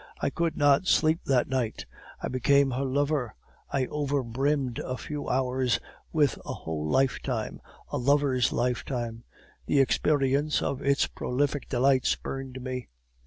I could not sleep that night; I became her lover; I overbrimmed a few hours with a whole lifetime a lover's lifetime; the experience of its prolific delights burned me.